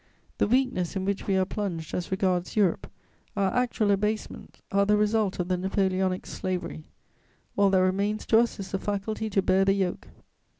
The weakness in which we are plunged as regards Europe, our actual abasement are the result of the Napoleonic slavery: all that remains to us is the faculty to bear the yoke.